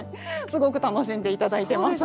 すごく楽しんで頂いてます。